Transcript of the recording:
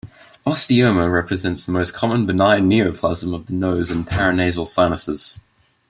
Osteoma represents the most common benign neoplasm of the nose and paranasal sinuses.